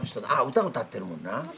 歌歌ってるもんな。